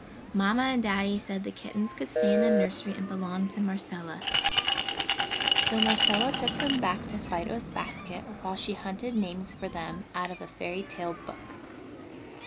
Mamma and Daddy said the kittens could stay in the nursery and belong to Marcella, so Marcella took them back to Fido's basket while she hunted names for them out of a fairy tale book.